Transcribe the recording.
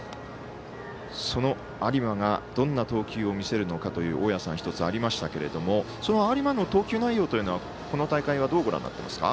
その有馬が、どんな投球を見せるのかというのが１つありましたけれどもその有馬の投球内容というのはこの大会はどうご覧になっていますか？